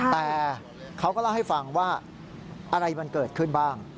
แต่เขาก็เล่าให้ฟังว่าอะไรมันเกิดขึ้นบ้าง